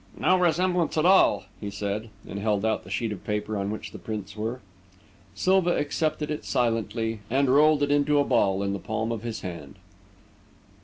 "No resemblance at all," he said, and held out the sheet of paper on which the prints were. Silva accepted it silently, and rolled it into a ball in the palm of his hand.